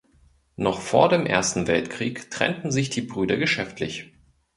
Noch vor dem Ersten Weltkrieg trennten sich die Brüder geschäftlich.